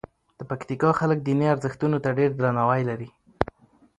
د پکتیکا خلک دیني ارزښتونو ته ډېر درناوی لري.